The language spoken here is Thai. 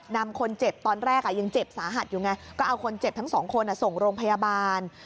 นำคนเจ็บตอนแรกยังเจ็บสาหัสอยู่ไงก็เอาคนเจ็บทั้งสองคนส่งโรงพยาบาล